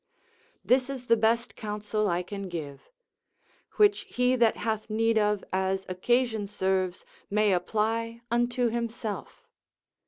This is the best counsel I can give; which he that hath need of, as occasion serves, may apply unto himself.